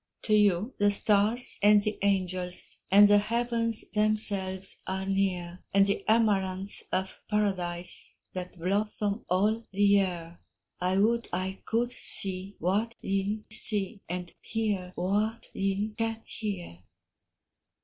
To you the stars and the angels, And the heavens themselves are near, And the amaranths of paradise, That blossom all the year: I would I could see what ye see, And hear what ye can hear.